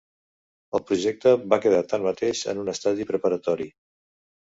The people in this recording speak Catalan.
El projecte va quedar tanmateix en un estadi preparatori.